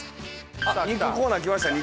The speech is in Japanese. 肉コーナー来ました、肉。